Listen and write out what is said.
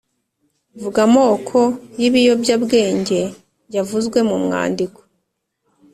Vuga amoko y’ibiyobyabwenge yavuzwe mu mwandiko